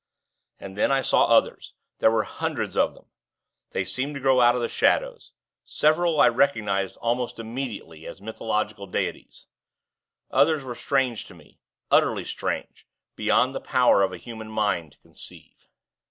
And then I saw others there were hundreds of them. They seemed to grow out of the shadows. Several I recognized almost immediately as mythological deities; others were strange to me, utterly strange, beyond the power of a human mind to conceive.